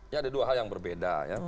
ya ada dua hal yang berbeda